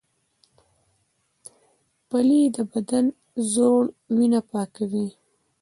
پلی د بدن زوړ وینه پاکوي